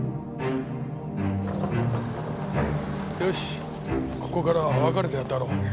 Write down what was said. よしここからは分かれてあたろう。